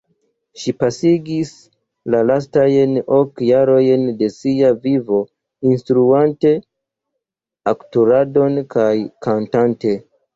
Ŝi pasigis la lastajn ok jarojn de sia vivo instruante aktoradon kaj kantante.